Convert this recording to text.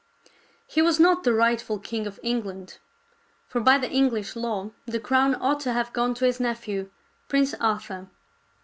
He was not the rightful king of England; for by the English law the crown ought to have gone to his nephew, Prince Arthur.